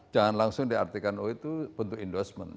jangan langsung diartikan oh itu bentuk endorsement